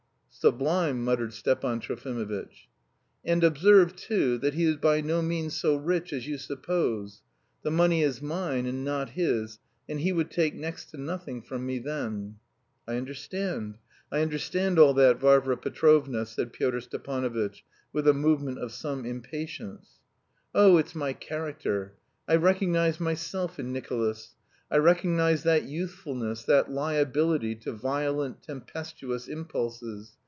"Sublime," muttered Stepan Trofimovitch. "And observe, too, that he is by no means so rich as you suppose. The money is mine and not his, and he would take next to nothing from me then." "I understand, I understand all that, Varvara Petrovna," said Pyotr Stepanovitch, with a movement of some impatience. "Oh, it's my character! I recognise myself in Nicolas. I recognise that youthfulness, that liability to violent, tempestuous impulses.